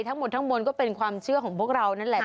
ทั้งหมดทั้งมวลก็เป็นความเชื่อของพวกเรานั่นแหละ